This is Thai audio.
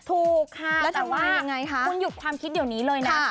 ถูกค่ะแล้วแต่ว่าคุณหยุดความคิดเดี๋ยวนี้เลยนะ